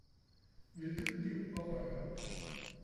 Hvilket liv og røre